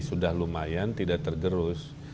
sudah lumayan tidak tergerus